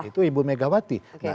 itu ibu megawati